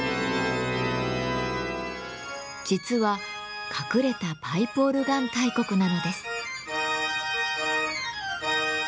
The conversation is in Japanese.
実は隠れた「パイプオルガン大国」なのです。